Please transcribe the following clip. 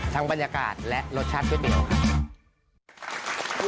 บรรยากาศและรสชาติก๋วยเตี๋ยวครับ